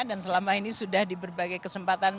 dan selama ini sudah diberbagai kesempatan